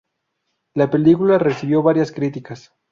La Película recibió variadas críticas.